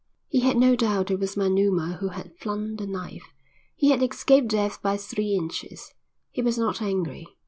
He had no doubt it was Manuma who had flung the knife. He had escaped death by three inches. He was not angry.